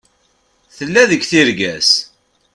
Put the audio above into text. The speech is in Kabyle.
Tella deg tirga-s.